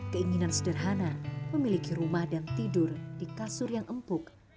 keinginan sederhana memiliki rumah dan tidur di kasur yang empuk